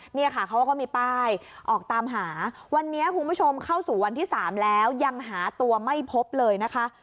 เนี่ยค่ะเขาก็มีป้ายออกตามหาวันนี้คุณผู้ชมเข้าสู่วันที่๓แล้วยังหาตัวไม่พบเลยนะคะ